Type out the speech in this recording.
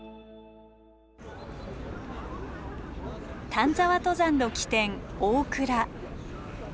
丹沢登山の起点大倉。